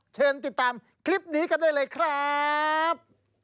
เชิญติดตามคลิปนี้กันได้เลยครับ